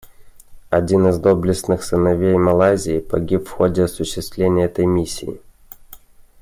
Один из доблестных сыновей Малайзии погиб в ходе осуществления этой миссии.